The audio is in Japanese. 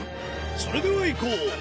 それではいこう。